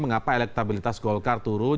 mengapa elektabilitas golkar turun